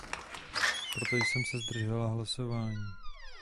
Proto jsem se zdržela hlasování.